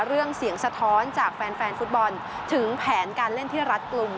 เรื่องเสียงสะท้อนจากแฟนฟุตบอลถึงแผนการเล่นที่รัดกลุ่ม